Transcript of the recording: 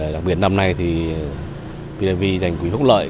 đặc biệt năm nay thì bidv dành quý hốc lợi